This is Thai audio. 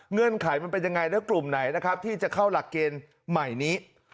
เงืนไขมันเป็นยังไงแล้วกลุ่มไหนนะครับที่จะเข้าหลักเกณฑ์ใหม่นี้